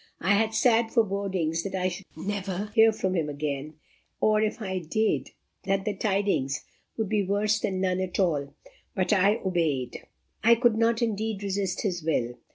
I had sad forebodings that I should never hear from him again or if I did, that the tidings would be worse than none at all; but I obeyed. I could not, indeed, resist his will.